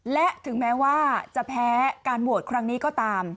และถึงแม้ว่าจะแพ้การโหวตครั้งนี้ก็ตาม